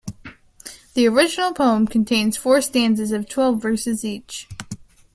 The original poem contains four stanzas of twelve verses each.